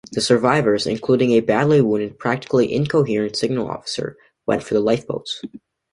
The survivors, including a badly wounded, "practically incoherent" signal officer, went for the lifeboats.